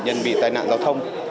thì tai nạn giao thông